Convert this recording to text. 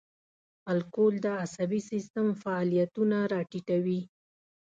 الکول د عصبي سیستم فعالیتونه را ټیټوي.